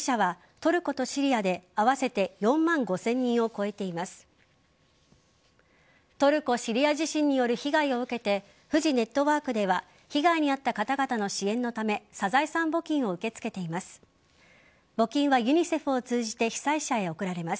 トルコ・シリア地震による被害を受けてフジネットワークでは被害に遭った方々の支援のためサザエさん募金を受け付けています。